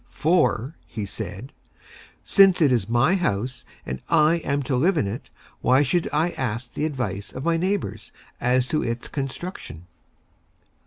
"For," said he, "since it is My House and I am to Live in It, why should I ask the Advice of my Neighbors as to its Construction?"